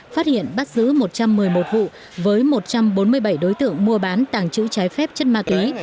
phát hiện bắt giữ một trăm một mươi một vụ với một trăm bốn mươi bảy đối tượng mua bán tàng trữ trái phép chất ma túy